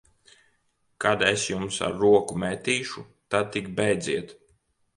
Kad es jums ar roku metīšu, tad tik bēdziet!